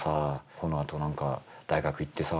このあと何か大学行ってさ」みたいな。